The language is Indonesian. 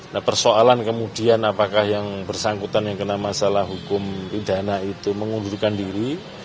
nah persoalan kemudian apakah yang bersangkutan yang kena masalah hukum pidana itu mengundurkan diri